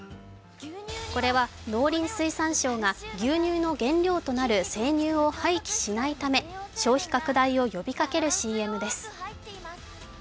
これは農林水産省が牛乳の原料となる生乳を廃棄しないため消費拡大を呼びかけるＣＭです。